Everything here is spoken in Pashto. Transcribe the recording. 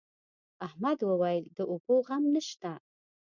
احمد وويل: د اوبو غم نشته.